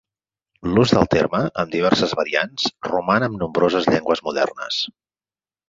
L'ús del terme, amb diverses variants, roman en nombroses llengües modernes.